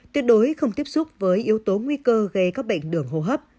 tuyệt đối không tiếp xúc với yếu tố nguy cơ gây các bệnh đường hô hấp